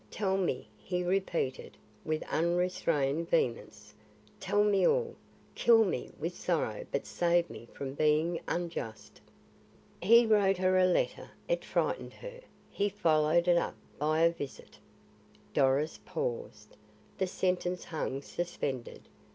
"Tell me," he repeated, with unrestrained vehemence. "Tell me all. Kill me with sorrow but save me from being unjust." "He wrote her a letter; it frightened her. He followed it up by a visit " Doris paused; the sentence hung suspended.